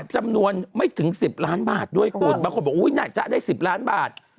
จำนวนไม่ถึง๑๐ล้านบาทด้วยคุณบางคนบอกน่าจะได้๑๐ล้านบาท